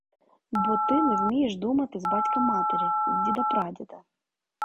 Бо ти не вмієш думати з батька-матері, з діда-прадіда.